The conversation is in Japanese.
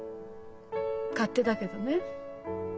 勝手だけどね。